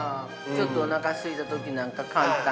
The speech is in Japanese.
◆ちょっとおなかがすいたときなんか、簡単。